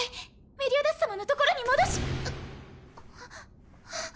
メリオダス様のところに戻しあっ。